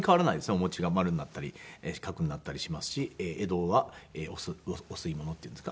お餅が丸になったり四角になったりしますし江戸はお吸い物っていうんですか？